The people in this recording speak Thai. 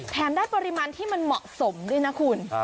ได้ปริมาณที่มันเหมาะสมด้วยนะคุณ